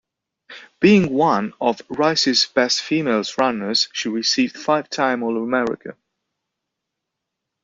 Being one of Rice's best female runners she received five time All America.